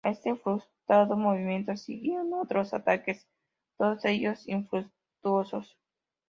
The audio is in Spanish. A ese frustrado movimiento siguieron otros ataques, todos ellos infructuosos.